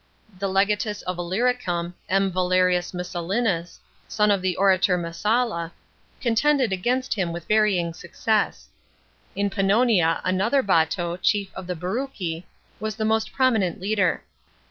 The Icgatus of Illyricum, M. Valerius Messalinus, son of the orator Messalla, contended against Mm with varying success. In Pan nonia, another Bato, chief of the Breuci, was the most prominent leader.